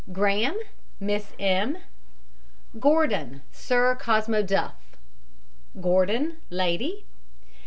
GRAHAM, MISS M. GORDON, SIR COSMO DUFF. GORDON, LADY.